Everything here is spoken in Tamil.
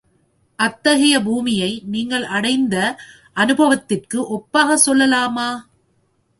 அத்தகைய பூமியை நீங்கள் அடைந்த அநுபவத்திற்கு ஒப்பாகச் சொல்லலாமா?